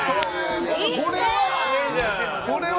これは！